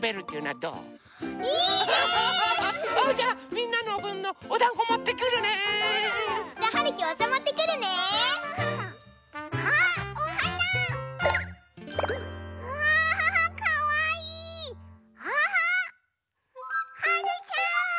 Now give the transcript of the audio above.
はるちゃん！